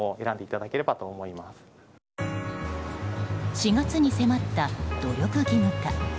４月に迫った、努力義務化。